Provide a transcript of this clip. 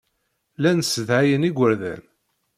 Llan ssedhayen igerdan.